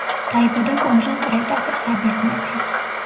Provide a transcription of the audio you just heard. დაიბადა კუნძულ კრეტაზე, საბერძნეთი.